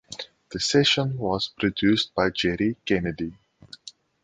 The session was produced by Jerry Kennedy.